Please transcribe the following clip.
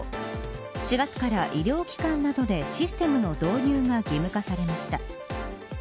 ４月から医療機関などでシステムの導入が義務化されました。